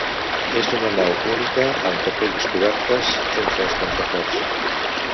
És d'una nau única amb capelles obertes entre els contraforts.